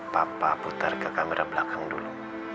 papa putar ke kamera belakang dulu